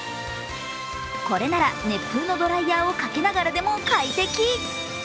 これなら熱風のドライヤーをかけながらでも快適。